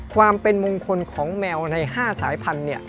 ความเป็นมงคลของแมวใน๕สายพันธุ์